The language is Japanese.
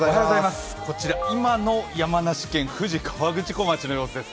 こちら今の山梨県富士河口湖町の様子です。